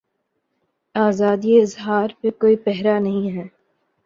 آزادیء اظہارپہ کوئی پہرا نہیں ہے۔